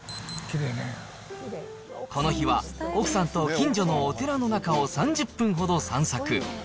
この日は、奥さんと近所のお寺の中を３０分ほど散策。